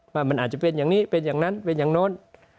ว่ามันอาจจะเป็นอย่างนี้เป็นอย่างนั้นเป็นอย่างโน้น